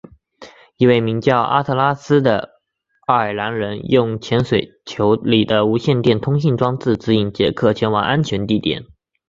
一名叫阿特拉斯的爱尔兰人用潜水球里的无线电通信装置指引杰克前往安全地点。